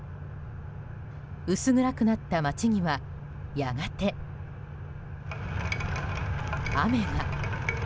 薄暗くなった街にはやがて雨が。